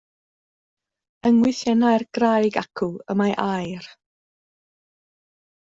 Yng ngwythiennau'r graig acw y mae aur.